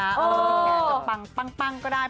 แขกจะปังปังปังก็ได้